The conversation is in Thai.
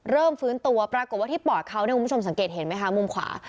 ฟื้นตัวปรากฏว่าที่ปอดเขาเนี่ยคุณผู้ชมสังเกตเห็นไหมคะมุมขวา